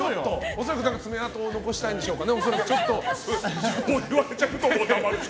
恐らく爪痕を残したいんでしょうかね。